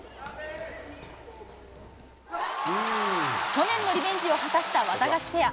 去年のリベンジを果たしたワタガシペア。